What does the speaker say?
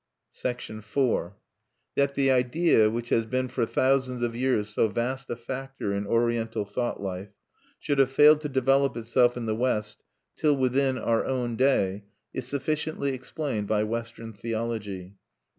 IV That the idea, which has been for thousands of years so vast a factor in Oriental thought life, should have failed to develop itself in the West till within, our own day, is sufficiently explained by Western theology.